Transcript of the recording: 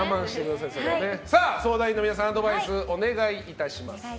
さあ、相談員の皆様アドバイスをお願いいたします。